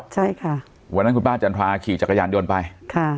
ใช่ค่ะวันนั้นคุณป้าจันทราขี่จักรยานยนต์ไปค่ะ